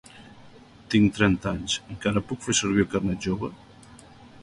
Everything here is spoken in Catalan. Tinc trenta anys. Encara puc fer servir el carnet jove?